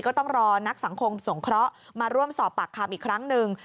ก็ต้องรอนักสังคมสงเคราะห์มาร่วมสอบปากคำอีกครั้งหนึ่ง